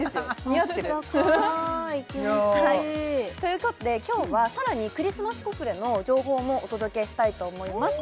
似合ってるあったかい気持ちいいということで今日はさらにクリスマスコフレの情報もお届けしたいと思います